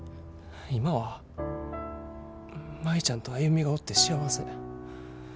今は舞ちゃんと歩がおって幸せ。